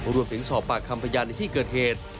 รวมถึงสอบปากคำพยานในที่เกิดเหตุ